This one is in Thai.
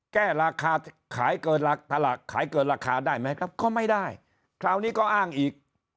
แก้ราคาขายเกินราคาได้ไหมครับก็ไม่ได้เกานี้ก็อ้างอีก